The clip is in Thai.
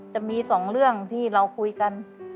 จะมีสองเรื่องที่เราคุยกัน